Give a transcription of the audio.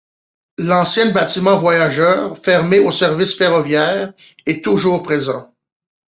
L'ancien bâtiment voyageurs, fermé au service ferroviaire, est toujours présent.